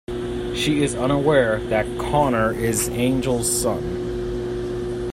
She is unaware that Connor is Angel's son.